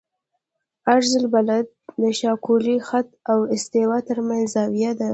عرض البلد د شاقولي خط او استوا ترمنځ زاویه ده